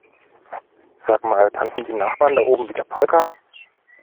Sag mal, tanzen die Nachbarn da oben wieder Polka?